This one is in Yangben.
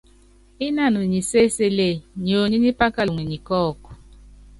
Ínanu nyi séselée, nyionyí nyípákalɔŋ ni kɔ́kú.